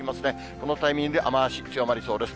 このタイミングで雨足、強まりそうです。